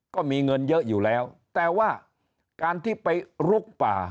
ก็มีเงินเยอะอยู่แล้วแต่ว่าการที่ไปลุกป่า